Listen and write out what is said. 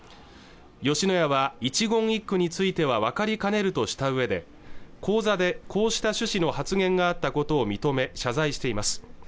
吉野家は一言一句については分かりかねるとしたうえで講座でこうした趣旨の発言があったことを認め謝罪しています